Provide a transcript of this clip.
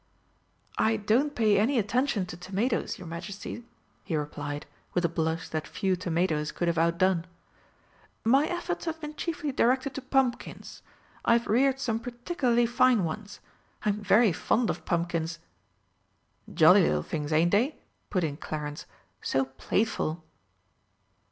"I don't pay any attention to tomatoes, your Majesty," he replied, with a blush that few tomatoes could have outdone. "My efforts have been chiefly directed to pumpkins. I have reared some particularly fine ones. I am very fond of pumpkins." "Jolly little things, ain't they?" put in Clarence. "So playful!"